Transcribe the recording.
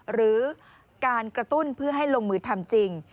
หรือการกระตุ้นเพื่อให้ลงมือทำจริง